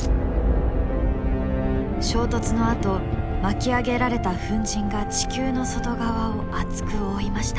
衝突のあと巻き上げられた粉じんが地球の外側を厚く覆いました。